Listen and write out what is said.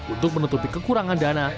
untuk menutupi kekurangan dana